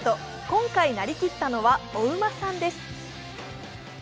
今回なりきったのはお馬さんです。